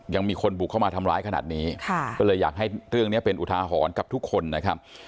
ยังมีคนบุกเข้ามาทำร้ายขนาดนี้ก็เลยอยากให้เรื่องนี้เป็นอุทาหรณ์กับทุกคนนะครับ